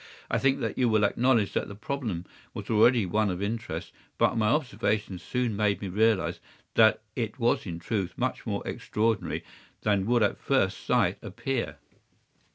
I think that you will acknowledge that the problem was already one of interest, but my observations soon made me realize that it was in truth much more extraordinary than would at first sight appear.